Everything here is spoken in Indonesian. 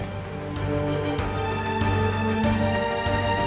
terima kasih